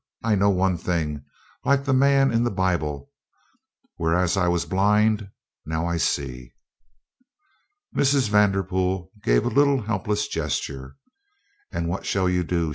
I know one thing, like the man in the Bible: 'Whereas I was blind now I see.'" Mrs. Vanderpool gave a little helpless gesture. "And what shall you do?"